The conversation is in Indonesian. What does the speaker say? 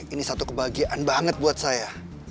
ini satu kebahagiaan banget buat saya